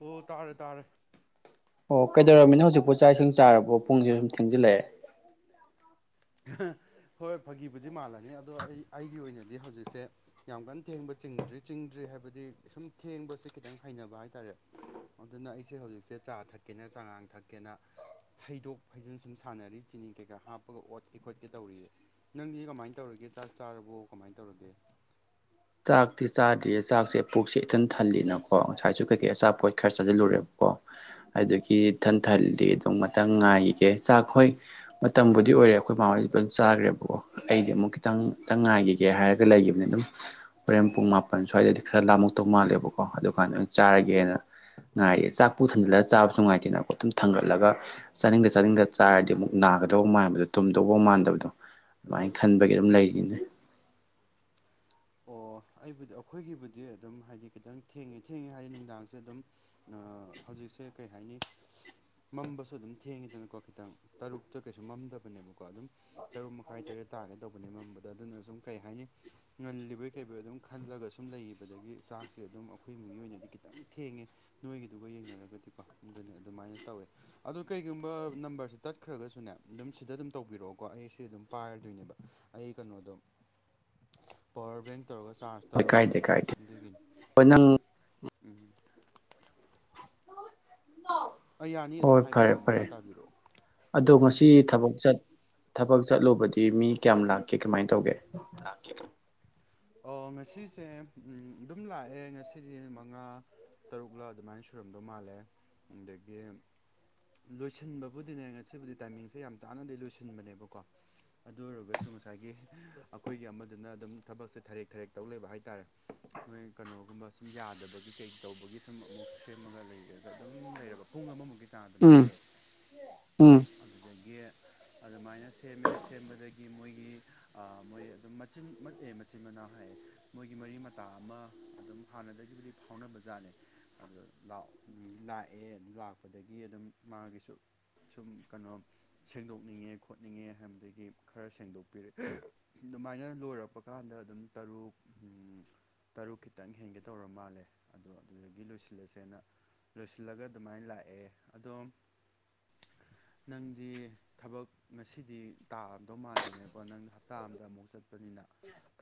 ꯑꯣ ꯇꯥꯔꯦ ꯇꯥꯔꯦ ꯑꯣ ꯀꯩꯗꯧꯔꯕꯃꯤꯅ ꯍꯧꯖꯤꯛꯄꯨ ꯆꯥꯛ ꯏꯁꯤꯡ ꯆꯥꯔꯕꯣ ꯄꯨꯡꯁꯤ ꯁꯨꯝ ꯊꯦꯡꯖꯤꯜꯂꯛꯑꯦ ꯍꯣꯏ ꯍꯣꯏ ꯐꯥꯒꯤꯕꯨꯗꯤ ꯃꯥꯜꯂꯅꯤ ꯑꯗꯣ ꯑꯩ ꯑꯩꯒꯤ ꯑꯣꯏꯅꯗꯤ ꯍꯧꯖꯤꯛꯁꯦ ꯌꯥꯝ ꯀꯟꯅ ꯊꯦꯡꯕ ꯆꯤꯡꯗ꯭ꯔꯤ ꯆꯤꯡꯗ꯭ꯔꯤ ꯍꯥꯏꯕꯗꯤ ꯁꯨꯝ ꯊꯦꯡꯕꯁꯤ ꯈꯤꯇꯪ ꯍꯩꯅꯕ ꯍꯥꯏꯇꯥꯔꯦ ꯑꯗꯨꯅ ꯑꯩꯁꯦ ꯍꯧꯖꯤꯛꯁꯦ ꯆꯥ ꯊꯛꯀꯦꯅ ꯆꯉꯥꯡ ꯊꯛꯀꯦꯅ ꯍꯩꯗꯣꯛ ꯍꯩꯖꯟ ꯁꯨꯝ ꯁꯥꯟꯅꯔꯤ ꯆꯤꯅꯤ ꯀꯩꯀꯥ ꯍꯥꯞꯄꯒ ꯑꯣꯠ ꯀꯦꯈꫭꯠꯀꯦ ꯇꯧꯔꯤꯌꯦ ꯅꯪꯗꯤ ꯀꯃꯥꯏꯅ ꯇꯧꯔꯒꯦ ꯆꯥꯛ ꯆꯥꯔꯕꯣ ꯀꯃꯥꯏꯅ ꯇꯧꯔꯒꯦ ꯆꯥꯛꯇꯤ ꯆꯥꯗ꯭ꯔꯤꯌꯦ ꯆꯥꯛꯁꯦ ꯄꯨꯛꯁꯦ ꯏꯇꯟ ꯊꯜꯂꯤꯅꯀꯣ ꯉꯁꯥꯏꯁꯨ ꯀꯩꯀꯩ ꯑꯆꯥꯄꯣꯠ ꯈꯔ ꯆꯥꯁꯤꯜꯂꯨꯔꯦꯕꯀꯣ ꯑꯗꯨꯒꯤ ꯏꯊꯟꯊꯟꯗꯤ ꯑꯗꯨꯝ ꯃꯊꯪ ꯉꯥꯏꯈꯤꯒꯦ ꯆꯥꯛꯈꯣꯏ ꯃꯇꯝꯕꯨꯗꯤ ꯑꯣꯏꯔꯦ ꯑꯩꯈꯣꯏ ꯃꯥꯍꫭꯏꯖꯨ ꯂꯣꯏꯝ ꯆꯥꯈ꯭ꯔꯦꯕꯀꯣ ꯑꯩꯗꯤ ꯑꯃꯨꯛ ꯈꯤꯇꯪꯇ ꯉꯥꯏꯈꯤꯒꯦ ꯍꯥꯏꯔꯒ ꯂꯩꯈꯤꯕꯅꯦ ꯑꯗꯨꯝ ꯄꯣꯔꯦꯟ ꯄꯨꯡ ꯃꯥꯄꯟ ꯁ꯭ꯋꯥꯏꯗꯗꯤ ꯈꯔ ꯂꯥꯝꯃꯧꯛꯇꯧ ꯃꯥꯜꯂꯦꯕꯀꯣ ꯑꯗꯨ ꯀꯥꯟꯗ ꯆꯥꯔꯒꯦꯅ ꯉꯉꯥꯏꯔ ꯆꯥꯛ ꯄꯨꯨ ꯊꯟꯖꯤꯜꯂꯒ ꯆꯥꯕꯁꯨ ꯅꯨꯡꯉꯥꯏꯇꯦꯅꯀꯣ ꯑꯗꯨꯝ ꯊꯥꯡꯒꯠꯂꯒ ꯆꯥꯅꯤꯡꯗ ꯆꯥꯅꯤꯡꯗ ꯆꯥꯔꯗꯤ ꯑꯃꯨꯛ ꯅꯥꯒꯗꯧꯕ ꯃꯥꯟꯕꯗꯣ ꯇꯨꯝꯗꯧꯕ ꯃꯥꯟꯗꯕꯗꯣ ꯑꯗꯨꯃꯥꯏꯅ ꯈꯟꯕꯒꯤ ꯑꯗꯨꯝ ꯂꯩꯔꯤꯅꯦ ꯑꯣ ꯑꯩꯕꯨꯗꯤ ꯑꯩꯈꯣꯏꯒꯤꯕꯨꯗꯤ ꯑꯗꯨꯝ ꯍꯥꯏꯗꯤ ꯈꯤꯇꯪ ꯊꯦꯡꯉꯦ ꯊꯦꯡꯉꯦ ꯍꯥꯏꯗꯤ ꯅꯨꯡꯗꯥꯡꯁꯦ ꯑꯗꯨꯝ ꯍꯧꯖꯤꯛꯁꯦ ꯀꯩ ꯍꯥꯏꯅꯤ ꯃꯝꯕꯁꯨ ꯑꯗꯨꯝ ꯊꯦꯡꯉꯤꯗꯅꯀꯣ ꯈꯤꯇꯪ ꯇꯔꯨꯛꯇ ꯀꯩꯁꯨ ꯃꯝꯗꯕꯅꯦꯕꯀꯣ ꯑꯗꯨꯝ ꯇꯔꯨꯛ ꯃꯈꯥꯏ ꯇꯔꯦꯠ ꯇꯥꯒꯦ ꯇꯧꯕꯅꯦ ꯃꯝꯕꯗ ꯑꯗꯨꯅ ꯁꯨꯝ ꯀꯩ ꯍꯥꯏꯅꯤ ꯉꯜꯂꯤꯕ ꯀꯩꯕꫭꯏ ꯑꯗꯨꯝ ꯈꯜꯂꯒ ꯁꯨꯝ ꯂꯩꯕꯗꯒꯤ ꯆꯥꯛꯁꯦ ꯑꯗꯨꯝ ꯑꯩꯈꯣꯏ ꯃꯒꯤ ꯑꯣꯏꯅꯗꯤ ꯈꯤꯇꯪ ꯊꯦꯡꯉꯦ ꯅꯣꯏꯒꯤꯗꯨꯒ ꯌꯦꯡꯅꯔꯒꯗꯤꯀꯣ ꯑꯗꯨꯅꯤ ꯑꯗꯨꯃꯥꯏꯅ ꯇꯧꯋꯦ ꯑꯣ ꯀꯩꯒꯨꯝꯕ ꯅꯝꯕꯔꯁꯦ ꯇꯠꯈ꯭ꯔꯒꯁꯨꯅꯦ ꯑꯗꯨꯝ ꯁꯤꯗ ꯑꯗꯨꯝ ꯇꯧꯕꯤꯔꯛꯑꯣꯀꯣ ꯑꯩ ꯁꯤ ꯑꯗꯨꯝ ꯄꯥꯏꯔꯗꯣꯏꯅꯦꯕ ꯑꯩ ꯀꯩꯅꯣꯗꯣ [inaudible] ꯄꯋꯥꯔ ꯕꯦꯡ ꯇꯧꯔꯒ ꯆꯥꯔꯖ ꯍꯣꯏ ꯀꯥꯏꯗꯦ ꯇꯧꯔꯝꯃꯦꯕꯀꯣ ꯀꯥꯏꯗꯦ ꯑꯗꯨꯒꯤꯅꯤ ꯍꯣꯏ ꯅꯪ ꯎꯝ ꯑꯩ ꯌꯥꯅꯤ ꯑꯗꯨꯝ ꯍꯣꯏ ꯐꯔꯦ ꯍꯥꯏꯕꯤꯔꯛꯑꯣ ꯐꯔꯦ ꯃꯈꯥ ꯇꯥꯕꯤꯔꯛꯑꯣ ꯑꯗꯣ ꯉꯁꯤ ꯊꯕꯛ ꯆꯠ ꯊꯕꯛ ꯆꯠꯂꯨꯕꯗꯤ ꯃꯤ ꯀꯌꯥꯝ ꯂꯥꯛꯀꯦ ꯀꯃꯥꯏꯅ ꯇꯧꯒꯦ ꯂꯥꯛꯀꯦ ꯑꯣ ꯉꯁꯤꯁꯦ ꯑꯗꯨꯝ ꯂꯥꯛꯑꯦ ꯉꯁꯤꯗꯤ ꯃꯉꯥ ꯇꯔꯨꯛꯂ ꯑꯗꯨꯃꯥꯏꯅ ꯁꯨꯔꯝꯗꯧ ꯃꯥꯜꯂꯦ ꯑꯗꯒꯤ ꯂꯣꯏꯁꯤꯟꯕꯕꯨꯗꯤꯅꯦ ꯉꯁꯤꯕꯨꯗꯤ ꯇꯥꯏꯃꯤꯡꯁꯦ ꯌꯥꯝ ꯆꯥꯅꯗꯤ ꯂꯣꯏꯁꯤꯟꯕꯅꯦꯕꯀꯣ ꯑꯗꯨ ꯑꯣꯏꯔꯒꯁꯨ ꯉꯁꯥꯏꯒꯤ ꯑꯩꯈꯣꯏꯒꯤ ꯑꯃꯗꯅ ꯑꯗꯨꯝ ꯊꯕꯛꯁꯦ ꯊꯔꯦꯛ ꯊꯔꯦꯛ ꯇꯧ ꯂꯩꯕ ꯍꯥꯏꯇꯥꯔꯦ ꯃꯣꯏ ꯀꯩꯅꯣꯒꯨꯝꯕ ꯁꯨꯝ ꯌꯥꯗꯕꯒꯤ ꯀꯩ ꯇꯧꯕꯒꯤ ꯁꯨꯝ ꯑꯃꯨꯛ ꯁꯦꯝꯃꯒ ꯂꯩꯔꯒ ꯑꯗꯨꯝ ꯂꯩꯔꯕ ꯄꯨꯡ ꯑꯃꯃꯨꯛꯀꯤ ꯆꯥꯡ ꯎꯝ ꯑꯗꯨꯃꯥꯏꯅ ꯂꯩ ꯎꯝ ꯑꯗꯨꯗꯒꯤ ꯑꯗꯨꯃꯥꯏꯅ ꯁꯦꯝꯃꯦ ꯁꯦꯝꯕꯗꯒꯤ ꯃꯣꯏꯒꯤ ꯃꯣꯏ ꯑꯗꯨꯝ ꯃꯆꯤꯟ ꯃꯠꯑꯦ ꯃꯆꯤꯟ ꯃꯅꯥꯎ ꯍꯥꯏꯌꯦ ꯃꯣꯏꯒꯤ ꯃꯔꯤ ꯃꯇꯥ ꯑꯃ ꯑꯗꯨꯝ ꯍꯥꯟꯅꯗꯒꯤꯕꯨꯗꯤ ꯐꯥꯎꯅꯕ ꯖꯥꯠꯅꯦ ꯑꯗꯨ ꯂꯥꯛꯑꯦ ꯑꯗꯨ ꯂꯥꯛꯄꯗꯒꯤ ꯑꯗꯨꯝ ꯃꯥꯒꯤꯁꯨ ꯁꯨꯝ ꯀꯩꯅꯣ ꯁꯦꯡꯗꯣꯛꯅꯤꯡꯉꯦ ꯈꯣꯠꯅꯤꯡꯉꯦ ꯍꯥꯏꯕꯗꯒꯤ ꯈꯔ ꯁꯦꯡꯗꯣꯛꯄꯤꯔꯛ ꯑꯗꯨꯃꯥꯏꯅ ꯂꯣꯏꯔꯛꯄ ꯀꯥꯟꯗ ꯑꯗꯨꯝ ꯇꯔꯨꯛ ꯇꯔꯨꯛ ꯈꯤꯇꯪ ꯍꯦꯟꯒꯦ ꯇꯧꯔ ꯃꯥꯜꯂꯦ ꯑꯗꯣ ꯑꯗꯨꯗꯒꯤ ꯂꯣꯏꯁꯤꯜꯂꯁꯦꯅ ꯂꯣꯏꯁꯤꯜꯂꯒ ꯑꯗꯨꯃꯥꯏꯅ ꯂꯥꯛꯑꯦ ꯑꯗꯣꯝ ꯅꯪꯗꯤ ꯊꯕꯛ ꯉꯁꯤꯗꯤ ꯇꯥꯗꯧ ꯃꯥꯟꯗꯦꯅꯦꯕꯀꯣ ꯅꯪ ꯍꯞꯇꯥ ꯑꯃꯗ ꯑꯃꯨꯛ ꯆꯠꯄꯅꯤꯅ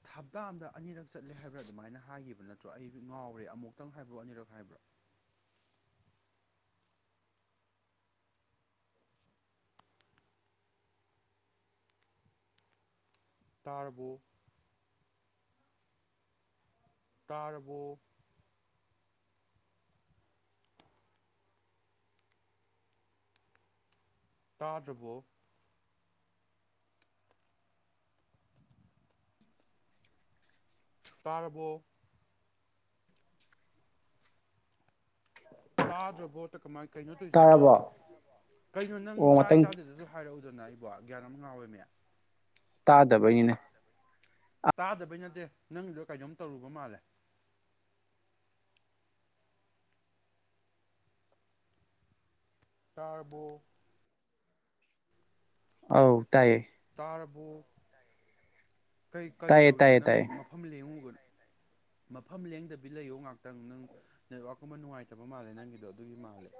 ꯍꯞꯇꯥ ꯑꯃꯗ ꯑꯅꯤꯔꯛ ꯆꯠꯂꯦ ꯍꯥꯏꯕ꯭ꯔꯥ ꯑꯗꯨꯃꯥꯏꯅ ꯍꯥꯏꯈꯤꯕ ꯅꯠꯇ꯭ꯔꯣ ꯑꯩ ꯉꯥꯎꯔꯦ ꯑꯃꯨꯛꯇꯪ ꯍꯥꯏꯕ꯭ꯔꯣ ꯑꯅꯤꯔꯛ ꯍꯥꯏꯕ꯭ꯔꯥ ꯇꯥꯔꯕꯣ ꯇꯥꯔꯕꯣ ꯇꯥꯗ꯭ꯔꯕꯣ ꯇꯥꯔꯕꯣ ꯇꯥꯗ꯭ꯔꯕꯣ ꯀꯃꯥꯏꯅ ꯀꯩꯅꯣ ꯇꯧꯔꯤꯁꯤꯕꯣ ꯇꯥꯔꯕꯣ ꯀꯩꯅꯣ ꯅꯪ ꯑꯣ ꯇꯥꯏ ꯉꯥꯛꯇꯪ ꯇꯥꯗꯦꯗꯁꯨ ꯍꯥꯏꯔꯛꯎꯗꯅ ꯑꯩꯕꯣ ꯒ꯭ꯌꯥꯟ ꯑꯃ ꯉꯥꯎꯋꯦꯃꯦ ꯇꯥꯗꯕꯩꯅꯤꯅꯦ ꯇꯥꯗꯕꯩ ꯅꯠꯇꯦ ꯅꯪꯗꯣ ꯀꯩꯅꯣꯝ ꯇꯧꯔꯨꯕ ꯃꯥꯜꯂꯦ ꯇꯥꯔꯕꯣ ꯑꯧ ꯇꯥꯏꯌꯦ ꯇꯥꯔꯕꯣ ꯀꯔꯤ ꯀꯔꯤ ꯇꯥꯏꯌꯦ ꯇꯧꯔꯤꯅꯣ ꯇꯥꯏꯌꯦ ꯅꯪ ꯇꯥꯏꯌꯦ ꯃꯐꯝ ꯂꯦꯡꯉꯨꯕ꯭ꯔꯣ ꯃꯐꯝ ꯂꯦꯡꯗꯕꯤ ꯂꯩꯌꯣ ꯉꯍꯥꯛꯇꯪ ꯅꯪ ꯅꯦꯠꯋꯥꯛꯀꯨꯝꯕ ꯅꯨꯡꯉꯥꯏꯇꯕ ꯃꯥꯜꯂꯦ ꯅꯪꯒꯤꯗꯣ ꯑꯗꯨꯒꯤ ꯃꯥꯜꯂꯦ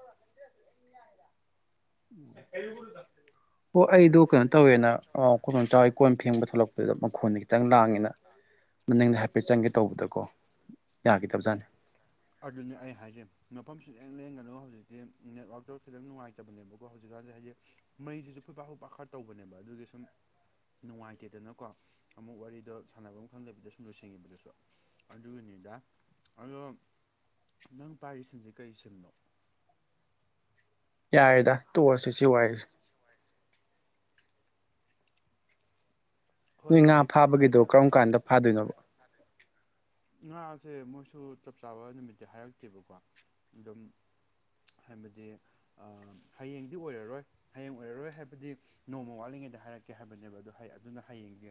ꯀꯔꯤ ꯊꯥꯛꯇ [inaudible] ꯑꯣ ꯑꯩꯗꯣ ꯀꯩꯅꯣ ꯇꯧꯋꯦꯅ [unintelligible] [unintelligible] ꯀꯣꯟ ꯐꯦꯡꯕ ꯊꯣꯛꯂꯛꯄꯗꯨꯗ ꯃꯈꯣꯟꯗꯤ ꯈꯤꯇꯪ ꯂꯥꯡꯉꯦ ꯑꯩꯅ ꯅꯪꯅ ꯍꯥꯏꯐꯦꯠ ꯆꯪꯒꯦ ꯇꯧꯕꯗꯀꯣ ꯌꯥꯒꯗꯕꯖꯥꯠꯅꯤ ꯑꯗꯨꯅꯦ ꯑꯩ ꯍꯥꯏꯁꯦ ꯃꯐꯝꯁꯤꯗꯪ ꯂꯦꯡꯒꯅꯨ ꯍꯧꯖꯤꯛꯇꯤ ꯅꯦꯠꯋꯥꯛꯇꯧ ꯈꯤꯇꯪ ꯅꯨꯡꯉꯥꯏꯇꯕꯅꯦꯕꯀꯣ ꯍꯧꯖꯤꯛꯀꯥꯟꯁꯦ ꯍꯥꯏꯗꯤ ꯃꯩꯁꯤꯁꯨ ꯐꯨꯠ ꯄꯥꯠ ꯐꯨꯠ ꯄꯥꯠ ꯈꯔ ꯇꯧꯕꯅꯦꯕ ꯑꯗꯨꯒꯤ ꯁꯨꯝ ꯅꯨꯡꯉꯥꯏꯇꯦꯗꯅꯀꯣ ꯑꯃꯨꯛ ꯋꯥꯔꯤꯗꯣ ꯁꯥꯟꯅꯕꯝ ꯈꯪꯗꯗꯅ ꯁꯨꯝ ꯂꯣꯏꯁꯤꯟꯈꯤꯕꯗꯨꯁꯨ ꯑꯗꯨꯒꯤꯅꯤꯗ ꯑꯗꯣ ꯅꯪ ꯄꯥꯏꯔꯤ ꯁꯤꯝꯁꯦ ꯀꯔꯤ ꯁꯤꯝꯅꯣ ꯌꯥꯔꯦꯗ ꯇꯣꯛꯑꯁꯤ ꯁꯤ ꯋꯥꯔꯤꯁꯤ ꯅꯣꯏ ꯍꯣꯏ ꯉꯥ ꯌꯥꯏ ꯀꯩꯁꯨ ꯐꯥꯕꯒꯤꯗꯣ ꯀꯥꯏꯗꯦ ꯀꯔꯝ ꯀꯥꯟꯗ ꯐꯥꯗꯣꯏꯅꯣ ꯉꯥꯁꯦ ꯃꯣꯏꯁꯨ ꯆꯞ ꯆꯥꯕ ꯅꯨꯃꯤꯠꯇꯤ ꯍꯥꯏꯔꯛꯇꯦꯕꯀꯣ ꯑꯗꯨꯝ ꯑꯥ ꯍꯥꯏꯕꯗꯤ ꯍꯌꯦꯡꯗꯤ ꯑꯣꯏꯔꯔꯣꯏ ꯍꯌꯦꯡ ꯑꯣꯏꯔꯔꯣꯏ ꯍꯥꯏꯕꯗꯤ ꯅꯣꯡꯃ ꯋꯥꯠꯂꯤꯉꯩꯗ ꯍꯥꯏꯔꯛꯀꯦ ꯍꯥꯏꯕꯅꯦꯕ ꯑꯗꯨ ꯑꯗꯨꯅ ꯍꯌꯦꯡꯗꯤ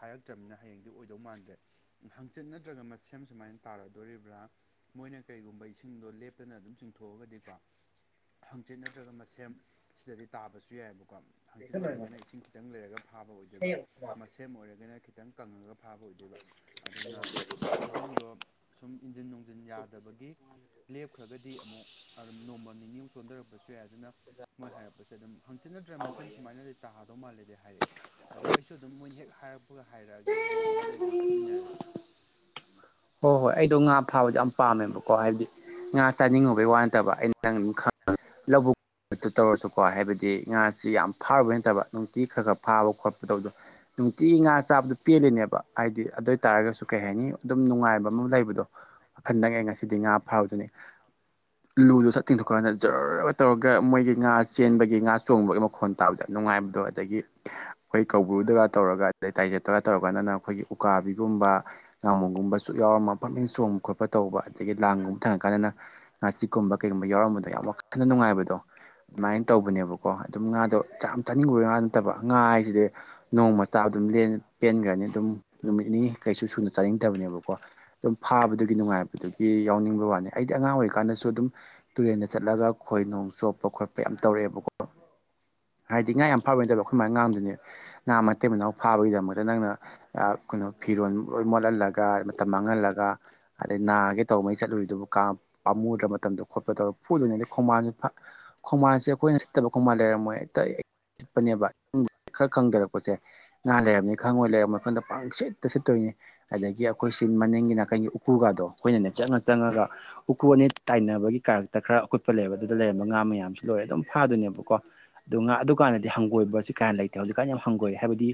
ꯍꯥꯏꯔꯛꯇ꯭ꯔꯕꯅꯤꯅ ꯍꯌꯦꯡꯗꯤ ꯑꯣꯏꯗꯧ ꯃꯥꯟꯗ꯭ꯔꯦ ꯆꯤꯠ ꯅꯠꯇ꯭ꯔꯒ ꯃꯁꯦꯝ ꯁꯨꯃꯥꯏꯅ ꯇꯥꯒꯗꯧꯔꯤꯕ꯭ꯔꯥ ꯃꯣꯏꯅ ꯀꯔꯤꯒꯨꯝꯕ ꯏꯁꯤꯡꯗꯣ ꯂꯦꯞꯇꯅ ꯑꯗꯨꯝ ꯆꯤꯡꯊꯣꯛꯑꯒꯗꯤꯀꯣ ꯍꯪꯆꯤꯠ ꯅꯠꯇ꯭ꯔꯒ ꯃꯁꯦꯝ ꯁꯤꯗꯗꯤ ꯇꯥꯕꯁꯨ ꯌꯥꯏꯑꯦꯕꯀꯣ ꯍꯪꯆꯤꯠ ꯑꯣꯏꯔꯒꯅ ꯏꯁꯤꯡ ꯈꯤꯇꯪ ꯂꯩꯔꯒ ꯐꯥꯕ ꯑꯣꯏꯗꯣꯏꯕ ꯁꯦꯝ ꯑꯣꯏꯔꯒꯅ ꯈꯤꯇꯪ ꯀꯪꯉꯒ ꯐꯥꯕ ꯑꯣꯏꯗꯣꯏꯕ ꯑꯗꯨꯅ ꯏꯁꯤꯡꯗꯣ ꯁꯨꯝ ꯏꯟꯖꯤꯟ ꯅꯣꯡꯖꯤꯟ ꯌꯥꯗꯕꯒꯤ ꯂꯦꯞꯈ꯭ꯔꯒꯗꯤ ꯑꯃꯨꯛ ꯑꯗꯨꯝ ꯅꯣꯡꯃ ꯅꯤꯃꯨ ꯁꯣꯟꯊꯔꯛꯄꯁꯨ ꯌꯥꯏ ꯑꯗꯨꯅ ꯃꯣꯏ ꯍꯥꯏꯔꯛꯄꯁꯦ ꯑꯗꯨꯝ ꯍꯪꯆꯤꯟꯅꯗ꯭ꯔꯦ ꯃꯁꯦꯝ ꯁꯨꯃꯥꯏꯅꯗꯤ ꯇꯥꯗꯧ ꯃꯥꯜꯂꯦꯗ ꯍꯥꯏꯔꯛꯑꯦ ꯑꯗꯣ ꯑꯩꯁꯨ ꯑꯗꯨꯝ ꯃꯣꯏꯅ ꯍꯦꯛ ꯍꯥꯏꯔꯛ ꯑꯩꯒ ꯍꯥꯏꯔꯛꯑꯒꯦ ꯑꯗꯨꯒ ꯏꯃꯥꯅꯤ ꯑꯗꯨꯝ ꯆꯠꯃꯤꯟꯅꯔꯁꯦ ꯍꯣꯏ ꯍꯣꯏ ꯑꯩꯗꯣ ꯉꯥ ꯐꯥꯕꯗꯣ ꯌꯥꯝ ꯄꯥꯝꯃꯦꯕꯀꯣ ꯍꯥꯏꯕꯗꯤ ꯉꯥ ꯆꯥꯅꯤꯡꯉꯨꯕꯒꯤ ꯋꯥ ꯅꯠꯇꯕ ꯑꯩꯅ ꯅꯪꯅ ꯑꯗꯨꯝ ꯈꯪ ꯂꯧꯕꯨꯛ ꯇꯧꯔꯁꯨ ꯀꯣ ꯍꯥꯏꯕꯗꯤ ꯉꯥꯁꯤ ꯌꯥꯝ ꯐꯥꯔꯨꯕꯩ ꯅꯠꯇꯕ ꯅꯨꯡꯇꯤ ꯈꯔ ꯈꯔ ꯐꯥꯕ ꯈꯣꯠꯄ ꯇꯧꯕꯗꯣ ꯅꯨꯡꯇꯤꯒꯤ ꯉꯥ ꯆꯥꯕꯗ ꯄꯦꯜꯂꯤꯅꯦꯕ ꯍꯥꯏꯗꯤ ꯑꯗꯨꯏ ꯇꯥꯥꯔꯒꯁꯨ ꯀꯩ ꯍꯥꯏꯅꯤ ꯑꯗꯨꯝ ꯅꯨꯡꯉꯥꯏꯕ ꯑꯃ ꯂꯩꯕꯗꯣ ꯍꯟꯗꯪ ꯑꯦ ꯉꯁꯤꯗꯤ ꯉꯥ ꯐꯥꯎꯗꯨꯅꯦ ꯂꯨꯗꯨ ꯁꯠ ꯇꯤꯡꯊꯣꯛꯀꯥꯟꯗ ꯖꯔꯔ ꯇꯧꯔꯒ ꯃꯣꯏꯒꯤ ꯉꯥ ꯆꯦꯟꯕꯒꯤ ꯉꯥ ꯆꯣꯡꯕꯒꯤ ꯃꯈꯣꯟ ꯇꯥꯕꯖꯦ ꯌꯥꯝ ꯅꯨꯡꯉꯥꯏꯕꯗꯣ ꯑꯗꯒꯤ ꯈꯣꯏ ꯀꯧꯕ꯭ꯔꯨꯗꯒ ꯇꯧꯔꯒ ꯑꯗꯩ ꯂꯩꯇꯥꯏꯒ ꯇꯔ ꯇꯧꯔꯀꯥꯟꯗꯅ ꯑꯈꯣꯏꯒꯤ ꯎꯀꯥꯕꯤꯒꯨꯝꯕ ꯉꯥꯃꯨ ꯒꯨꯝꯕ ꯆꯨ‌ꯛ ꯌꯥꯎꯔꯝꯃ ꯄꯡꯅꯤꯡ ꯆꯣꯡꯕ ꯈꯣꯠꯄ ꯇꯧꯕ ꯑꯗꯒꯤ ꯂꯥꯡꯒꯨꯝꯕ ꯊꯪꯉꯀꯥꯟꯗꯅ ꯉꯆꯤꯛꯀꯨꯝꯕ ꯀꯩꯒꯨꯝꯕ ꯌꯥꯎꯔꯝꯕꯗꯣ ꯌꯥꯝ ꯋꯥꯈꯟꯅ ꯅꯨꯡꯉꯥꯏꯕꯗꯣ ꯑꯗꯨꯃꯥꯏꯅ ꯇꯧꯕꯅꯦꯕꯀꯣ ꯑꯗꯨꯝ ꯉꯥꯗꯣ ꯆꯥꯝ ꯆꯥꯅꯤꯡꯉꯨꯕꯩ ꯉꯥ ꯅꯠꯇꯕ ꯉꯥ ꯍꯥꯏꯖꯤꯗꯤ ꯅꯣꯡꯃ ꯆꯥ ꯑꯗꯨꯝ ꯂꯦꯟ ꯄꯦꯟꯒ꯭ꯔꯅꯤ ꯑꯗꯨꯝ ꯅꯨꯃꯤꯠ ꯅꯤꯅꯤ ꯀꯩꯁꯨ ꯁꯨꯅ ꯆꯥꯅꯤꯡꯗꯕꯅꯦꯕꯀꯣ ꯑꯗꯨꯝ ꯐꯥꯕꯗꯨꯒꯤ ꯅꯨꯡꯉꯥꯏꯕꯗꯨꯒꯤ ꯌꯥꯎꯅꯤꯡꯕ ꯋꯥꯅꯦ ꯑꯩꯗꯤ ꯑꯉꯥꯡ ꯑꯣꯏꯔꯤꯀꯥꯟꯗꯁꯨ ꯑꯗꯨꯝ ꯇꯨꯔꯦꯟꯗ ꯆꯠꯂꯒ ꯈꯣꯏ ꯅꯣꯡ ꯆꯣꯞꯄ ꯈꯣꯠꯄ ꯌꯥꯝ ꯇꯧꯔꯦꯛꯑꯦꯕꯀꯣ ꯍꯥꯏꯗꯤ ꯉꯥ ꯌꯥꯝ ꯐꯕꯩ ꯅꯠꯇꯕ ꯑꯈꯣꯏ ꯃꯥ ꯉꯥꯡꯗꯨꯏꯅꯦ ꯉꯥ ꯃꯇꯩ ꯃꯅꯥꯎ ꯐꯥꯕꯒꯤꯗꯃꯛꯇ ꯅꯪꯅ ꯑ ꯀꯨꯅꯣ ꯐꯤꯔꯣꯜ ꯂꯣꯏ ꯃꯣꯠꯂꯜꯂꯒ ꯃꯇꯝ ꯃꯥꯡꯉꯜꯂꯒ ꯑꯗꯩ ꯅꯥꯒꯦ ꯇꯧꯕꯉꯩ ꯆꯠꯂꯨꯔꯤꯗꯨꯕꯨ ꯀꯥꯝ ꯄꯥꯝꯃꯨꯗ꯭ꯔ ꯃꯇꯝꯗꯣ ꯈꯣꯠꯄ ꯇꯧꯔ ꯐꯨꯗꯨꯏꯅꯦ ꯑꯗꯩ ꯈꯣꯡꯕꯥꯟꯁꯨ ꯈꯣꯡꯃꯥꯟꯁꯦ ꯑꯈꯣꯏꯅ ꯁꯤꯠꯇꯕ ꯈꯣꯡꯃꯜ ꯂꯩꯔꯝꯃꯣꯏ ꯐꯅꯤ ꯑꯕ ꯈꯔ ꯈꯪꯖꯔꯛꯄꯖꯦ ꯉꯥ ꯂꯩꯔꯝꯅꯤ ꯈꯪꯉꯣꯏ ꯂꯩꯔꯝ ꯃꯈꯨꯟꯗ ꯄꯥꯡ ꯁꯤꯠꯇ ꯁꯤꯠꯇꯣꯏꯅꯤ ꯒꯤ ꯑꯈꯣꯏ ꯁꯤꯡ ꯃꯅꯤꯡꯒꯤ ꯅꯥꯀꯟꯒꯤ ꯎꯀꯨꯒꯥꯗꯣ ꯈꯣꯏꯅꯅꯦ ꯆꯪꯉ ꯆꯪꯉꯒ ꯎꯀꯨ ꯑꯅꯤ ꯇꯥꯏꯅꯕꯒꯤ ꯀꯥꯔꯛꯇ ꯈꯔ ꯑꯀꯨꯠꯄ ꯂꯩꯕ ꯑꯗꯨꯗ ꯂꯩꯔꯝꯕ ꯉꯥ ꯃꯌꯥꯝꯁꯤ ꯂꯣꯏꯔꯦ ꯑꯗꯨꯝ ꯐꯥꯗꯣꯏꯅꯦꯕꯀꯣ ꯑꯗꯨ ꯉꯥ ꯑꯗꯨꯀꯥꯟꯗꯗꯤ ꯍꯪꯒꯣꯏꯕꯁꯤ ꯀꯌꯥ ꯂꯩꯇꯦ ꯍꯧꯖꯤꯛꯀꯥꯟ ꯌꯥꯝ ꯍꯪꯒꯣꯌꯦ ꯍꯥꯏꯕꯗꯤ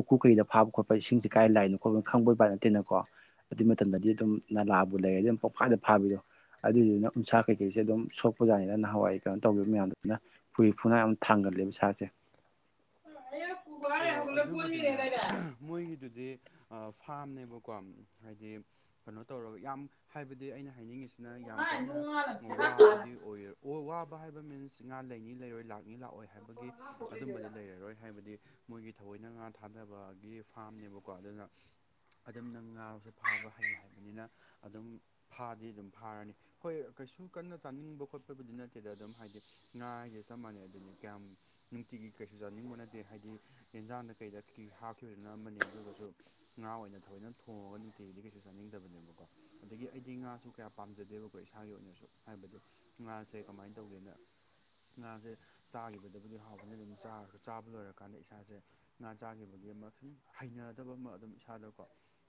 ꯎꯀꯨ ꯀꯩꯗ ꯐꯥꯕ ꯈꯣꯠꯄ ꯏꯁꯤꯡꯖꯤ ꯀꯥꯏ ꯂꯥꯛꯏꯅꯣ ꯈꯣꯜꯅꯣ ꯈꯪꯕ ꯕꯥꯏ ꯇꯦꯅꯀꯣ ꯑꯗꯨꯏ ꯃꯇꯝꯗꯗꯤ ꯑꯗꯨꯝ ꯅꯂꯥꯕꯨ ꯂꯩꯔꯗꯤ ꯑꯝ ꯄꯣꯛ ꯐꯥꯗ ꯐꯥꯕꯤꯗꯣ ꯑꯗꯨꯏꯗꯨꯅ ꯎꯟꯁꯥ ꯀꯩꯀꯩꯖꯦ ꯑꯗꯨꯝ ꯁꯣꯛꯄ ꯌꯖꯥꯅꯤꯅ ꯅꯍꯥꯋꯥꯏ ꯀꯩꯅꯣ ꯇꯧꯒꯤꯕ ꯃꯌꯥꯝꯗꯨꯅ ꯐꯨꯔꯤ ꯐꯨꯅꯥꯏ ꯑꯝ ꯊꯥꯡꯒꯜꯂꯦꯕ ꯏꯁꯥꯖꯦ ꯑꯣ ꯑꯗꯨꯕꯨꯗꯤꯅꯦ ꯃꯣꯏꯒꯤꯗꯨꯗꯤ ꯐꯥꯝꯅꯦꯕꯀꯣ ꯍꯥꯏꯗꯤ ꯀꯅꯣ ꯇꯧꯔꯒ ꯌꯥꯝ ꯍꯥꯏꯕꯗꯤ ꯑꯩꯅ ꯍꯥꯏꯅꯤꯡꯉꯤꯁꯤꯅ ꯌꯥꯝ ꯀꯟꯅ ꯋꯥꯕꯗꯤ ꯑꯣꯏꯔꯣ ꯑꯣ ꯋꯥꯕ ꯍꯥꯏꯕ ꯃꯤꯟꯁ ꯉꯥ ꯂꯩꯅꯤ ꯂꯩꯔꯣꯏ ꯂꯥꯛꯅꯤ ꯂꯥꯛꯑꯣꯏ ꯍꯥꯏꯕꯒꯤ ꯑꯗꯨꯝꯕꯗꯤ ꯂꯩꯔꯔꯣꯏ ꯍꯥꯏꯕꯗꯤ ꯃꯣꯏꯒꯤ ꯊꯑꯣꯏꯅ ꯉꯥ ꯊꯥꯗꯕꯒꯤ ꯐꯥꯝꯅꯦꯕꯀꯣ ꯑꯗꯨꯅ ꯑꯗꯨꯝ ꯅꯪ ꯉꯥꯁꯨ ꯐꯥꯕ ꯍꯩ ꯍꯥꯏꯕꯅꯤꯅ ꯑꯗꯨꯝ ꯐꯥꯗꯤ ꯑꯗꯨꯝ ꯐꯥꯔꯅꯤ ꯍꯣꯏ ꯀꯩꯁꯨ ꯀꯟꯅ ꯆꯥꯅꯤꯡꯕ ꯈꯣꯠꯄꯕꯨꯗꯤ ꯅꯠꯇꯦꯗ ꯑꯗꯨꯝ ꯍꯥꯏꯗꯤ ꯉꯥ ꯍꯥꯏꯖꯦ ꯆꯞ ꯃꯥꯟꯅꯩ ꯑꯗꯨꯅꯦ ꯀꯌꯥꯝ ꯅꯨꯡꯇꯤꯒꯤ ꯀꯩꯁꯨ ꯆꯥꯅꯤꯡꯕ ꯅꯠꯇꯦ ꯍꯥꯏꯗꯤ ꯑꯦꯟꯖꯥꯡꯗ ꯀꯩꯗ ꯍꯥꯞꯈꯤꯕꯗꯨꯅ ꯑꯃꯅꯦ ꯑꯗꯨꯒꯁꯨ ꯉꯥ ꯑꯣꯏꯅ ꯊꯑꯣꯏꯅ ꯊꯣꯡꯉꯒ ꯅꯨꯡ ꯇꯦꯒꯗꯤ ꯀꯩꯁꯨ ꯆꯥꯅꯤꯡꯗꯕꯅꯦꯕꯀꯣ ꯑꯗꯒꯤ ꯑꯩꯗꯤ ꯉꯥꯁꯨ ꯀꯌꯥ ꯄꯥꯝꯖꯗꯦꯕꯀꯣ ꯏꯁꯥꯒꯤ ꯑꯣꯏꯅꯁꯨ ꯍꯥꯏꯕꯗꯤ ꯉꯥꯁꯦ ꯀꯃꯥꯏꯟ ꯇꯧꯒꯦꯅ ꯉꯖꯦ ꯆꯥꯒꯤꯕꯗꯕꯨꯗꯤ ꯍꯥꯎꯕꯅꯤ ꯑꯗꯨꯝ ꯆꯥꯔꯖꯨ ꯆꯥꯕ ꯂꯣꯏꯔꯀꯥꯟꯗ ꯏꯁꯥ ꯏꯁꯥꯖꯦ ꯉꯥ ꯆꯥꯒꯤꯕꯒꯤ ꯑꯃ ꯁꯨꯝ ꯍꯩꯅꯗꯕ ꯑꯃ ꯑꯗꯨꯝ ꯏꯁꯥꯗꯀꯣ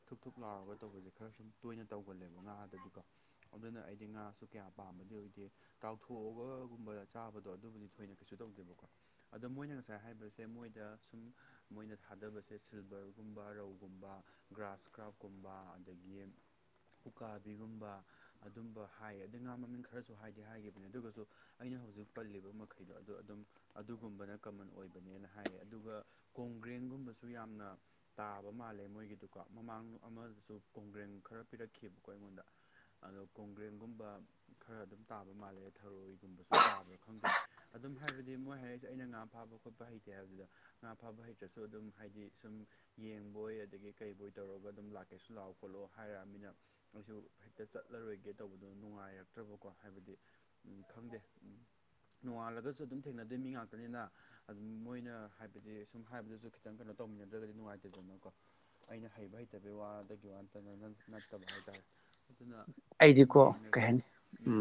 ꯊꯨꯨꯛ ꯊꯨꯨꯛ ꯂꯥꯎꯔꯒ ꯇꯧꯕꯖꯦ ꯈꯔ ꯁꯨꯝ ꯇꯣꯏꯅ ꯇꯧꯒꯜꯂꯦꯕ ꯉꯥꯗꯗꯤꯀꯣ ꯑꯗꯨꯅ ꯑꯩꯗꯤ ꯉꯥꯁꯨ ꯀꯌꯥ ꯄꯥꯝꯕꯗꯤ ꯑꯣꯏꯗꯦ ꯇꯥꯎꯊꯣꯛꯑꯒꯨꯝꯕ ꯆꯥꯕꯗꯣ ꯑꯗꯨꯕꯨꯗꯤ ꯊꯣꯏꯅ ꯀꯩꯁꯨ ꯇꯧꯗꯦꯕꯀꯣ ꯑꯗꯣ ꯃꯣꯏꯅ ꯉꯁꯥꯏ ꯍꯥꯏꯕꯁꯦ ꯃꯣꯏꯗ ꯁꯨꯝ ꯃꯣꯏꯅ ꯊꯥꯗꯕꯁꯦ ꯁꯤꯜꯚꯔꯒꯨꯝꯕ ꯔꯧꯒꯨꯝꯕ ꯒ꯭ꯔꯥꯁ ꯀ꯭ꯔꯥꯞꯀꯨꯝꯕ ꯑꯗꯒꯤ ꯎꯀꯥꯕꯤꯒꯨꯝꯕ ꯑꯗꯨꯝꯕ ꯍꯥꯏꯌꯦ ꯑꯗꯩ ꯉꯥ ꯃꯃꯤꯡ ꯈꯔꯁꯨ ꯍꯥꯏꯗꯤ ꯍꯥꯏꯒꯤꯕꯅꯦ ꯑꯗꯨꯒꯖꯨ ꯑꯩꯅ ꯍꯧꯖꯤꯛ ꯄꯜꯂꯤꯕ ꯃꯈꯩꯗꯣ ꯑꯗꯣ ꯑꯗꯨꯝ ꯑꯗꯨꯒꯨꯝꯕꯅ ꯀꯃꯟ ꯑꯣꯏꯕꯅꯦꯅ ꯍꯥꯏꯌꯦ ꯑꯗꯨꯒ ꯀꯣꯡꯒ꯭ꯔꯦꯡꯒꯨꯝꯕꯁꯨ ꯌꯥꯝꯅ ꯇꯥꯕ ꯃꯥꯜꯂꯦ ꯃꯣꯏꯒꯤꯗꯨꯀꯣ ꯃꯃꯥꯡ ꯑꯃꯗꯁꯨ ꯀꯣꯡꯒ꯭ꯔꯦꯟ ꯈꯔ ꯄꯤꯔꯛꯈꯤꯕꯀꯣ ꯑꯩꯉꯣꯟꯗ ꯑꯗꯣ ꯀꯣꯡꯒ꯭ꯔꯦꯟꯒꯨꯝꯕ ꯈꯔ ꯑꯗꯨꯝ ꯇꯥꯕ ꯃꯥꯜꯂꯦ ꯊꯔꯣꯏ ꯨꯒꯨꯝꯕꯁꯨ ꯇꯥꯕ꯭ꯔꯥ ꯈꯪꯗꯦ ꯑꯗꯨꯝ ꯍꯥꯏꯕꯗꯤ ꯃꯣꯏ ꯍꯥꯏꯔꯛꯏꯁꯦ ꯑꯩꯅ ꯉꯥ ꯐꯥꯕ ꯈꯣꯠꯄ ꯍꯩꯇꯦ ꯍꯥꯏꯕꯗꯨꯗ ꯉꯥ ꯐꯥꯕ ꯍꯩꯇ꯭ꯔꯁꯨ ꯑꯗꯨꯝ ꯍꯥꯏꯗꯤ ꯁꯨꯝ ꯌꯦꯡꯕꯣꯏ ꯑꯗꯒꯤ ꯀꯩꯕꯣꯏ ꯇꯧꯔꯒ ꯑꯗꯨꯝ ꯂꯥꯛꯀꯦꯁꯨ ꯂꯥꯛꯑꯣ ꯈꯣꯠꯂꯣ ꯍꯥꯏꯔꯛꯑꯃꯤꯅ ꯑꯩꯁꯨ ꯍꯦꯛꯇ ꯆꯠꯂꯔꯣꯏꯒꯦ ꯇꯧꯕꯗꯨ ꯅꯨꯡꯉꯥꯏꯔꯛꯇ꯭ꯔꯕꯀꯣ ꯍꯥꯏꯕꯗꯤ ꯎꯝ ꯈꯪꯗꯦ ꯎꯝ ꯅꯣꯡꯉꯥꯜꯂꯒꯁꯨ ꯑꯗꯨꯝ ꯊꯦꯡꯅꯗꯣꯏ ꯃꯤ ꯉꯥꯛꯇꯅꯤꯅ ꯑꯗꯨꯝ ꯃꯣꯏꯅ ꯍꯥꯏꯕꯗꯤ ꯁꯨꯝ ꯍꯥꯏꯕꯗꯨꯁꯨ ꯈꯤꯇꯪ ꯀꯩꯅꯣ ꯇꯧꯃꯤꯟꯅꯗ꯭ꯔꯒꯗꯤ ꯅꯨꯡꯉꯥꯏꯇꯦꯗꯅꯀꯣ ꯑꯩꯅ ꯍꯩꯕ ꯍꯩꯇꯕꯒꯤ ꯋꯥꯗꯒꯤ ꯋꯥꯇꯅ ꯅꯠꯇꯕ ꯍꯥꯏꯇꯥꯥꯔꯦ ꯑꯗꯨꯅ ꯑꯗꯨꯝ ꯑꯩꯗꯤꯀꯣ ꯀꯩ ꯌꯦꯡꯉꯁꯦ ꯍꯥꯏꯅꯤ ꯎꯝ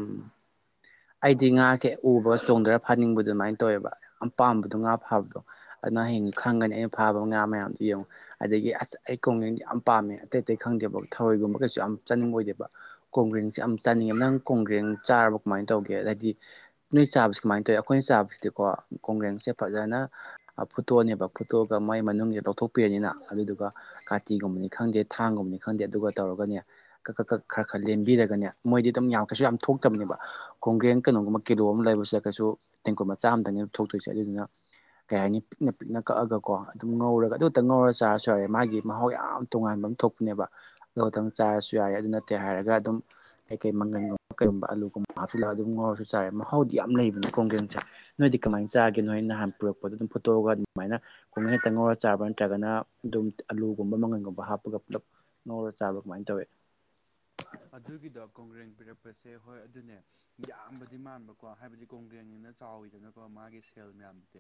ꯑꯩꯗꯤ ꯉꯥꯁꯦ ꯎꯕ ꯆꯣꯡꯗꯔ ꯐꯥꯅꯤꯡꯕ ꯑꯗꯨꯃꯥꯏꯅ ꯇꯧꯋꯦꯕ ꯌꯥꯝ ꯄꯥꯝꯕꯗꯣ ꯉꯥ ꯐꯥꯕꯗꯣ ꯑꯗꯨꯅ ꯍꯌꯦꯡ ꯈꯪꯒꯅꯤ ꯑꯩꯅ ꯐꯥꯕ ꯉꯥ ꯃꯌꯥꯝꯗꯣ ꯌꯦꯡꯉꯨ ꯑꯗꯒꯤ ꯑꯁ ꯑꯩ ꯀꯣꯡꯒ꯭ꯔꯦꯡ ꯌꯥꯝ ꯄꯥꯝꯃꯦ ꯑꯇꯩ ꯑꯇꯩ ꯈꯪꯗꯦꯕ ꯊꯔꯣꯏꯒꯨꯝꯕ ꯀꯩꯁꯨ ꯌꯥꯝ ꯆꯥꯅꯤꯡꯉ ꯑꯣꯏꯗꯦꯕ ꯀꯣꯡꯒ꯭ꯔꯔꯤꯡꯁꯦ ꯌꯥꯝ ꯆꯥꯅꯤ ꯑꯃ ꯅꯪ ꯀꯣꯡꯒ꯭ꯔꯦꯡ ꯆꯥꯔꯕ ꯀꯃꯥꯏꯅ ꯇꯧꯒꯦ ꯍꯥꯏꯗꯤ ꯅꯣꯏ ꯆꯥꯕꯁꯤ ꯀꯨꯃꯥꯏꯅ ꯇꯧꯋꯤ ꯑꯩꯈꯣꯏꯅ ꯆꯥꯕꯁꯤꯗꯤꯀꯣ ꯀꯣꯡꯒ꯭ꯔꯦꯡꯁꯦ ꯐꯖꯅ ꯐꯨꯠꯇꯣꯛꯑꯅꯤꯕ ꯐꯨꯠꯇꯣꯛꯑꯒ ꯃꯥꯏ ꯃꯅꯨꯡꯁꯦ ꯂꯧꯊꯣꯛꯄꯤꯔꯅꯤꯅ ꯑꯗꯨꯗꯨꯒ ꯀꯥꯇꯤꯒꯨꯝꯕꯅꯤ ꯈꯪꯗꯦ ꯊꯥꯡꯒꯨꯝꯕꯅꯤ ꯈꯪꯗꯦ ꯑꯗꯨꯒ ꯇꯧꯔꯒꯅꯦ ꯀꯛ ꯀꯛ ꯀꯛ ꯈꯔ ꯈꯔ ꯂꯦꯟꯕꯤꯔꯒꯅꯦ ꯃꯣꯏꯗꯤ ꯑꯗꯨꯝ ꯌꯥꯝ ꯀꯩꯁꯨ ꯌꯥꯝ ꯊꯣꯛꯇꯕꯅꯦꯕ ꯀꯣꯡꯒ꯭ꯔꯦꯡ ꯀꯩꯅꯣꯒꯨꯝꯕ ꯀꯤꯂꯣ ꯑꯃ ꯂꯩꯕꯁꯦ ꯀꯩꯁꯨ ꯇꯦꯡꯀꯣꯠ ꯃꯆꯥ ꯑꯃꯇꯪꯅꯦ ꯑꯗꯨ ꯊꯣꯛꯇꯣꯏꯁꯦ ꯑꯗꯨꯗꯨꯅ ꯀꯩ ꯍꯥꯏꯅꯤ ꯄꯤꯛꯅ ꯄꯤꯛꯅ ꯀꯛꯑꯒꯀꯣ ꯑꯗꯨꯇꯪ ꯉꯧꯔꯒ ꯑꯗꯨꯇ ꯉꯧꯔ ꯆꯥꯔꯁꯨ ꯌꯥꯔꯦ ꯃꯥꯒꯤ ꯃꯍꯥꯎ ꯌꯥꯝ ꯇꯣꯉꯥꯟꯕ ꯑꯃ ꯊꯣꯛꯄꯅꯦꯕ ꯑꯗꯨ ꯈꯛꯇꯪ ꯆꯥꯔꯁꯨ ꯌꯥꯔꯦ ꯑꯗꯨ ꯅꯠꯇꯦ ꯍꯥꯏꯔꯒ ꯑꯗꯨꯝ ꯀꯩꯀꯩ ꯃꯪꯒꯟꯒꯨꯝꯕ ꯀꯩꯒꯨꯝꯕ ꯑꯂꯒꯨꯝꯕ ꯍꯥꯞꯆꯜꯂ ꯑꯗꯨ ꯉꯥꯎꯔꯁꯨ ꯆꯥꯔꯦ ꯃꯍꯥꯎꯗꯤ ꯌꯥꯝ ꯂꯩꯕꯅꯤ ꯀꯣꯡꯒ꯭ꯔꯦꯡꯁꯦ ꯅꯣꯏꯗꯤ ꯀꯃꯥꯏꯅ ꯆꯥꯒꯦ ꯅꯣꯏ ꯅꯍꯥꯟ ꯄꯨꯔꯛꯄꯗ ꯑꯗꯨꯝ ꯐꯨꯠꯇꯣꯛꯑꯒ ꯑꯗꯨꯃꯥꯏꯅ ꯈꯨꯡꯒ꯭ꯔꯦꯡ ꯇꯪꯉꯧꯔꯒ ꯆꯥꯕ꯭ꯔ ꯅꯠꯇ꯭ꯔꯒꯅ ꯑꯗꯨꯝ ꯑꯂꯨꯒꯨꯝꯕ ꯃꯪꯒꯟꯒꯨꯝꯕ ꯍꯥꯞꯄꯒ ꯄꯨꯂꯞ ꯉꯧꯔꯒ ꯆꯥꯕ꯭ꯔꯥ ꯀꯃꯥꯏꯅ ꯇꯧꯋꯤ ꯑꯗꯨꯒꯤꯗꯣ ꯀꯣꯡꯒ꯭ꯔꯦꯡ ꯄꯤꯔꯛꯄꯁꯦ ꯍꯣꯏ ꯑꯗꯨꯅꯦ ꯌꯥꯝꯕꯗꯤ ꯃꯥꯟꯕꯀꯣ ꯍꯥꯏꯕꯗꯤ ꯀꯣꯡꯒ꯭ꯔꯦꯡꯅꯤꯅ ꯆꯥꯎꯋꯤꯗꯅꯀꯣ ꯃꯥꯒꯤ ꯁꯦꯜ ꯃꯌꯥꯝꯗꯤ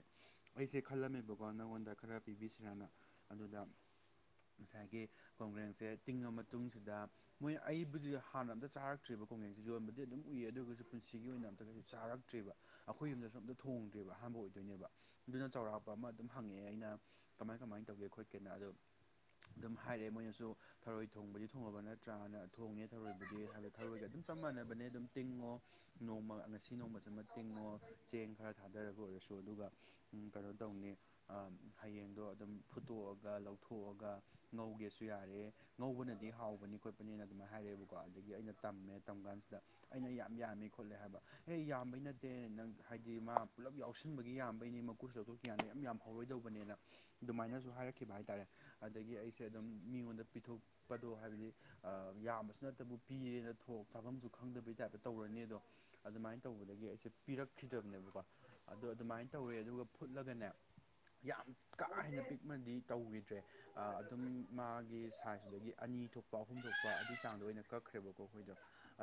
ꯑꯩꯁꯦ ꯈꯜꯂꯝꯃꯦꯕꯀꯣ ꯅꯪꯉꯣꯟꯗ ꯈꯔ ꯄꯤꯕꯤꯁꯤꯔꯥꯅ ꯑꯗꯨꯗ ꯉꯁꯥꯏꯒꯤ ꯀꯣꯡꯒ꯭ꯔꯦꯡꯁꯦ ꯇꯤꯡꯉ ꯃꯇꯨꯡꯁꯤꯗ ꯃꯣꯏ ꯑꯩꯕꯨꯗꯤ ꯍꯥꯟꯅ ꯑꯝꯇ ꯆꯥꯔꯛꯇ꯭ꯔꯤꯕ ꯀꯣꯡꯒ꯭ꯔꯦꯡꯁꯦ ꯌꯣꯟꯕꯗꯤ ꯑꯗꯨꯝ ꯎꯏ ꯑꯗꯨ ꯑꯣꯏꯒꯁꯨ ꯄꯨꯟꯁꯤꯒꯤ ꯑꯣꯏꯅ ꯑꯝꯇ ꯀꯩꯁꯨ ꯆꯥꯔꯛꯇ꯭ꯔꯤꯕ ꯑꯩꯈꯣꯏ ꯌꯨꯝꯗꯁꯨ ꯑꯝꯇ ꯊꯣꯡꯗ꯭ꯔꯦꯕ ꯑꯍꯥꯟꯕ ꯑꯣꯏꯗꯣꯏꯅꯦꯕ ꯑꯗꯨꯅ ꯆꯥꯎꯔꯥꯛꯄ ꯑꯃ ꯑꯗꯨꯝ ꯍꯪꯉꯦ ꯑꯩꯅ ꯀꯃꯥꯏ ꯀꯃꯥꯏꯅ ꯇꯧꯒꯦ ꯈꯣꯠꯀꯦꯅ ꯑꯗꯣ ꯑꯗꯨꯝ ꯍꯥꯏꯔꯛꯑꯦ ꯃꯣꯏꯅꯁꯨ ꯊꯔꯣꯏ ꯊꯣꯡꯕꯗꯤ ꯊꯣꯡꯉꯕ ꯅꯠꯇ꯭ꯔꯥꯅ ꯊꯣꯡꯉꯦ ꯊꯔꯣꯏꯕꯨꯗꯤ ꯍꯥꯏꯕꯗꯤ ꯊꯔꯣꯏꯒ ꯑꯗꯨꯝ ꯆꯞ ꯃꯥꯟꯅꯕꯅꯦ ꯑꯗꯨꯝ ꯇꯤꯡꯉꯣ ꯅꯣꯡꯃ ꯉꯁꯤ ꯅꯣꯡꯃꯁꯤꯃ ꯇꯤꯡꯉꯣ ꯆꯦꯡ ꯈꯔ ꯊꯥꯗꯔꯒ ꯑꯣꯏꯔꯁꯨ ꯑꯗꯨꯒ ꯎꯝ ꯀꯩꯅꯣ ꯇꯧꯅꯤ ꯑꯥ ꯍꯌꯦꯡꯗꯣ ꯑꯗꯨꯝ ꯐꯨꯠꯇꯣꯛꯑꯒ ꯂꯧꯊꯣꯛꯑꯒ ꯉꯧꯒꯦꯁꯨ ꯌꯥꯔꯦ ꯉꯧꯕꯅꯗꯤ ꯍꯥꯎꯕꯅꯤ ꯈꯣꯠꯄꯅꯦꯅ ꯑꯗꯨꯃꯥꯏꯅ ꯍꯥꯏꯔꯛꯑꯦꯕꯀꯣ ꯑꯗꯒꯤ ꯑꯩꯅ ꯇꯝꯃꯦ ꯇꯝ ꯀꯥꯟꯁꯤꯗ ꯑꯩꯅ ꯌꯥꯝ ꯌꯥꯝꯃꯦ ꯈꯣꯠꯂꯦ ꯍꯥꯏꯕ ꯑꯦ ꯌꯥꯝꯕꯩ ꯅꯠꯇꯦ ꯅꯪ ꯍꯥꯏꯗꯤ ꯃꯥ ꯄꯨꯂꯞ ꯌꯥꯎꯁꯟꯕꯒꯤ ꯌꯥꯝꯕꯩꯅꯤ ꯀꯨꯁꯨ ꯂꯧꯊꯣꯛ ꯀꯌꯥꯥꯟꯗ ꯌꯥꯝ ꯌꯥꯝ ꯍꯧꯔꯣꯏꯗꯧꯕꯅꯦꯅ ꯑꯗꯨꯃꯥꯏꯅꯁꯨ ꯍꯥꯏꯔꯛꯈꯤꯕ ꯍꯥꯏꯇꯥꯔꯦ ꯑꯗꯒꯤ ꯑꯩꯁꯦ ꯁꯦ ꯑꯗꯨꯝ ꯃꯤꯉꯣꯟꯗ ꯄꯤꯊꯣꯛꯄꯗꯣ ꯍꯥꯏꯕꯗꯤ ꯑꯥ ꯌꯥꯝꯕꯁꯨ ꯅꯠꯇꯕꯨ ꯄꯤꯔꯦꯅ ꯊꯣꯛ ꯆꯥꯐꯝꯁꯨ ꯈꯪꯗꯕꯩ ꯇꯥꯏꯞꯇ ꯇꯧꯔꯅꯤ ꯑꯗꯣ ꯑꯗꯨꯃꯥꯏꯅ ꯇꯧꯕꯗꯒꯤ ꯑꯩꯁꯦ ꯄꯤꯔꯛꯈꯤꯗꯕꯅꯦꯕꯀꯣ ꯑꯗꯣ ꯑꯗꯨꯃꯥꯏꯅ ꯇꯧꯔꯦ ꯑꯗꯨꯒ ꯐꯨꯠꯂꯒꯅꯦ ꯌꯥꯝ ꯀꯥ ꯍꯦꯟꯅ ꯄꯤꯛꯃꯗꯤ ꯇꯧꯈꯤꯗ꯭ꯔꯦ ꯑꯥ ꯑꯗꯨꯝ ꯃꯥꯒꯤ ꯁꯥꯏꯁꯗꯨꯗꯒꯤ ꯑꯅꯤ ꯊꯣꯛꯄ ꯑꯍꯨꯝ ꯊꯣꯛ ꯀꯣ ꯑꯗꯨꯏ ꯆꯥꯡꯗꯣ ꯑꯣꯏꯅ ꯀꯛꯈ꯭ꯔꯦꯕꯀꯣ ꯑꯈꯣꯏꯗꯣ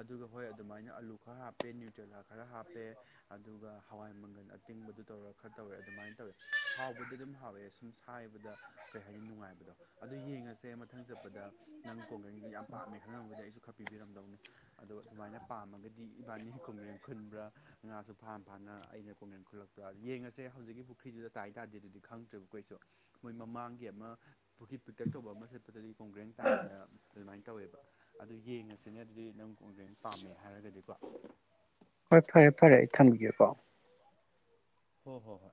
ꯑꯗꯨꯒ ꯍꯣꯏ ꯑꯗꯨꯃꯥꯏꯅ ꯑꯂꯨ ꯈꯔ ꯍꯥꯞꯄꯦ ꯅꯨꯇ꯭ꯔꯦꯂꯥ ꯈꯔ ꯍꯥꯞ ꯄꯦ ꯑꯗꯨꯒ ꯍꯋꯥꯏ ꯃꯪꯒꯜ ꯑꯠ ꯇꯤꯡꯕꯗꯨ ꯇꯧꯔꯥ ꯈꯔ ꯇꯧꯔꯦ ꯑꯗꯨꯃꯥꯏꯟ ꯇꯧꯋꯦ ꯍꯥꯎꯕꯗꯤ ꯑꯗꯨꯝ ꯍꯥꯎꯋꯦ ꯁꯨꯝ ꯁꯥꯏꯕꯗ ꯀꯩ ꯍꯥꯏꯅꯤ ꯅꯨꯡꯉꯥꯏꯕꯗꯣ ꯑꯗꯨ ꯌꯦꯡꯉꯁꯦ ꯃꯊꯪ ꯆꯠꯄꯗ ꯅꯪ ꯀꯣꯡꯒ꯭ꯔꯦꯡꯗꯣ ꯌꯥꯝ ꯄꯥꯝꯃꯦ ꯈꯪꯉꯝꯃꯗꯤ ꯑꯩꯁꯨ ꯈꯔ ꯄꯤꯕꯤꯔꯝꯗꯧꯅꯤ ꯑꯗꯣ ꯑꯗꯨꯃꯥꯏꯅ ꯄꯥꯝꯃꯒꯗꯤ ꯏꯕꯥꯅꯤ ꯀꯣꯡꯒ꯭ꯔꯦꯡ ꯈꯨꯟꯕ꯭ꯔꯥ ꯉꯥꯁꯨ ꯐꯥ ꯐꯥꯅ ꯑꯩꯅ ꯀꯣꯡꯒ꯭ꯔꯦꯡ ꯈꯨꯜꯂꯛ ꯌꯦꯡꯉꯁꯦ ꯍꯧꯖꯤꯛꯀꯤ ꯄꯨꯈ꯭ꯔꯤꯗꯨꯗ ꯇꯥꯏ ꯇꯥꯗꯦꯗꯨꯗꯤ ꯈꯪꯗ꯭ꯔꯦꯕꯀꯣ ꯑꯩꯁꯨ ꯃꯣꯏ ꯃꯃꯥꯡꯒꯤ ꯑꯃ ꯄꯨꯈ꯭ꯔꯤ ꯄꯤꯛꯇꯛ ꯇꯧꯕ ꯑꯃ ꯆꯠꯄꯗꯗꯤ ꯀꯣꯡꯒ꯭ꯔꯦꯡ ꯇꯥꯏꯅ ꯑꯗꯨꯃꯥꯏ ꯇꯧꯋꯦꯕ ꯑꯗꯨ ꯌꯦꯡꯉꯁꯤꯅꯦ ꯑꯗꯨꯗꯤ ꯅꯪ ꯀꯣꯡꯒ꯭ꯔꯦꯡ ꯄꯥꯝꯃꯦ ꯍꯥꯏꯔꯒꯗꯤꯀꯣ ꯍꯣꯏ ꯐꯔꯦ ꯐꯔꯦ ꯑꯩ ꯊꯝꯒꯤꯒꯦꯀꯣ ꯍꯣ ꯍꯣꯏ ꯍꯣꯏ